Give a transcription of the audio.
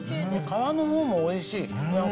皮の方もおいしい。